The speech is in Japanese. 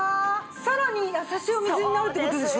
さらに優しいお水になるって事でしょ？